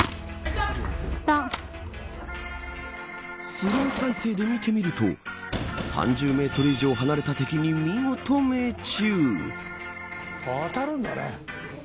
スロー再生で見てみると３０メートル以上離れた敵に見事命中。